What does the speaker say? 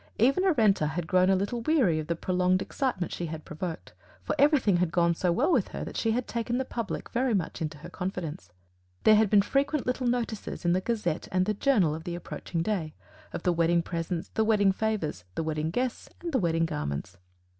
Even Arenta had grown a little weary of the prolonged excitement she had provoked, for everything had gone so well with her that she had taken the public very much into her confidence. There had been frequent little notices in the Gazette and Journal of the approaching day of the wedding presents, the wedding favours, the wedding guests, and the wedding garments.